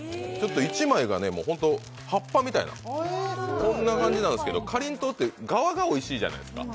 １枚が、葉っぱみたいなこんな感じですけどかりんとうって側がおいしいじゃないですか。